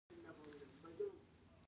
ایا ستاسو طبیعت به خوندي نه وي؟